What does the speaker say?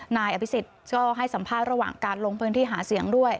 นายอภิษฎก็ให้สัมภาษณ์ระหว่างการลงพื้นที่หาเสียงด้วย